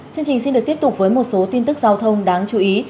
chương trình xin được tiếp tục với một số tin tức giao thông đáng chú ý